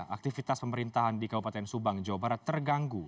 aktivitas pemerintahan di kabupaten subang jawa barat terganggu